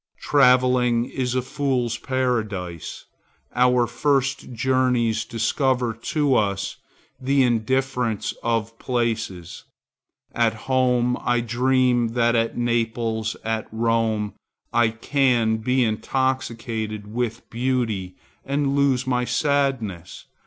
Travelling is a fool's paradise. Our first journeys discover to us the indifference of places. At home I dream that at Naples, at Rome, I can be intoxicated with beauty and lose my sadness.